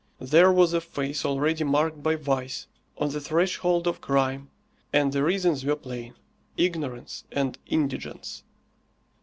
There was a face already marked by vice, on the threshold of crime, and the reasons were plain ignorance and indigence.